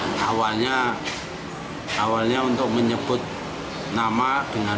nah awalnya awalnya untuk menyebut nama dengan